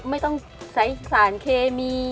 ไม่ต้องใช้สารเคมี